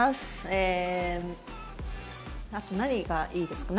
ええあと何がいいですか？